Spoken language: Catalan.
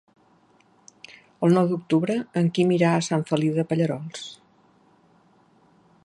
El nou d'octubre en Quim irà a Sant Feliu de Pallerols.